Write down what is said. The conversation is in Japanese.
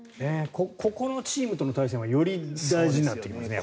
ここのチームとの対戦はより大事になってきますよね。